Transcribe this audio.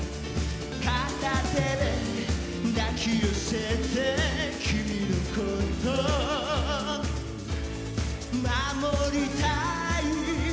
「片手で抱き寄せて君のこと守りたい」